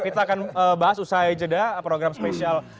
kita akan bahas usaha ejeda program special